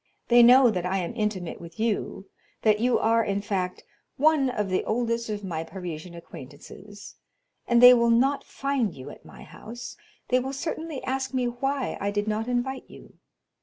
They know that I am intimate with you—that you are, in fact; one of the oldest of my Parisian acquaintances—and they will not find you at my house; they will certainly ask me why I did not invite you.